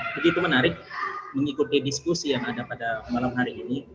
begitu menarik mengikuti diskusi yang ada pada malam hari ini